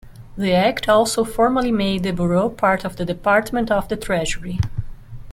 The act also formally made the bureau part of the Department of the Treasury.